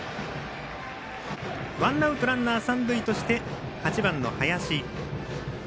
ワンアウトランナー、三塁として８番の林。